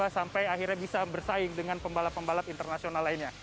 sampai akhirnya bisa bersaing dengan pembalap pembalap internasional lainnya